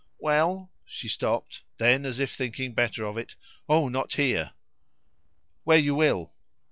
"Well " She stopped; then, as if thinking better of it, "Oh, not here!" "Where you will."